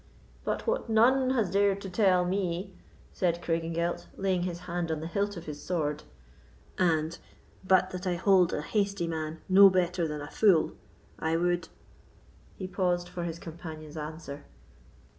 "But what none has dared to tell me," said Craigengelt, laying his hand on the hilt of his sword; "and, but that I hold a hasty man no better than a fool, I would——" he paused for his companion's answer.